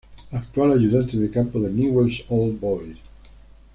Actual ayudante de campo de Newell's Old Boys.